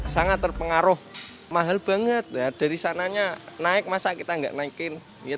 sangat terpengaruh mahal banget dari sananya naik masa kita nggak naikin